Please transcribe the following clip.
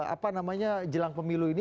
apa namanya jelang pemilu ini